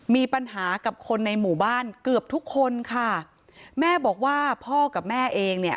มีปัญหากับคนในหมู่บ้านเกือบทุกคนค่ะแม่บอกว่าพ่อกับแม่เองเนี่ย